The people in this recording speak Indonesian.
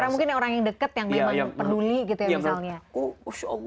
karena mungkin orang yang dekat yang memang peduli gitu ya misalnya